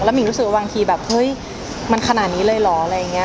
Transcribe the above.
แล้วมีรู้สึกว่าบางทีแบบเฮ้ยมันขนาดนี้เลยเหรอ